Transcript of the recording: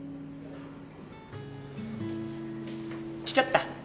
来ちゃった。